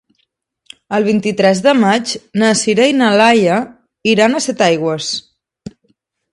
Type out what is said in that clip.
El vint-i-tres de maig na Sira i na Laia iran a Setaigües.